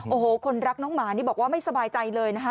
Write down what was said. โอ้โหคนรักน้องหมานี่บอกว่าไม่สบายใจเลยนะคะ